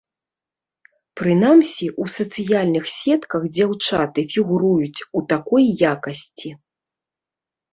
Прынамсі, у сацыяльных сетках дзяўчаты фігуруюць у такой якасці.